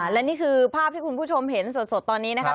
และนี่คือภาพที่คุณผู้ชมเห็นสดตอนนี้นะครับ